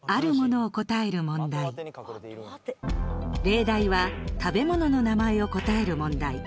例題は食べ物の名前を答える問題。